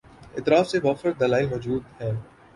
اطراف سے وافر دلائل مو جود ہیں۔